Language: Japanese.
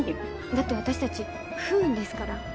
だって私たち不運ですから。